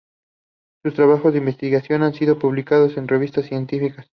Sus trabajos de investigación han sido publicados en revistas científicas.